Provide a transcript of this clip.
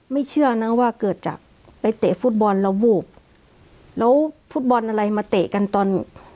เชื่อนะว่าเกิดจากไปเตะฟุตบอลแล้ววูบแล้วฟุตบอลอะไรมาเตะกันตอน